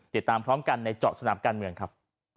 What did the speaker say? ติดตามพร้อมกันในเจาะสนามการเมืองครับ